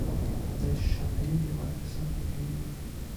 د شاتني دېوال تر څنګ کوټنۍ وه.